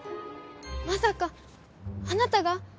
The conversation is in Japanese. まさかあなたが？